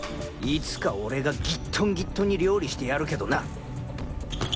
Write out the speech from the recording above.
いつか俺がギットンギットンに料理してやるけどなっ！